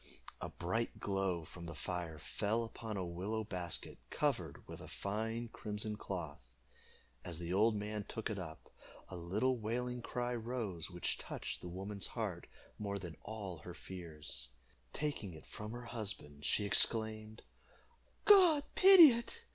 A bright glow from the fire fell upon a willow basket, covered with a fine crimson cloth. As the old man took it up, a little wailing cry rose, which touched the woman's heart more than all her fears. Taking it from her husband, she exclaimed "God pity it!